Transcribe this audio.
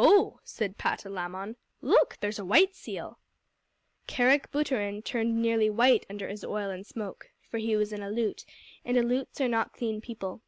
"Ho!" said Patalamon. "Look! There's a white seal!" Kerick Booterin turned nearly white under his oil and smoke, for he was an Aleut, and Aleuts are not clean people.